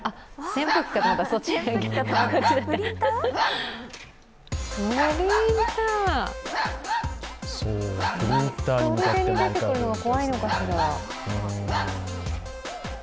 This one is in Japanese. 自分に向かってくるのが怖いのかしら。